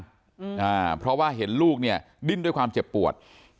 อ่าเพราะว่าเห็นลูกเนี่ยดิ้นด้วยความเจ็บปวด